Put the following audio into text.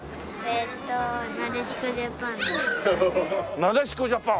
なでしこジャパン。